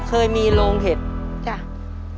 อย่างที่ประชาติบ้านเราเคยมีโรงเห็ด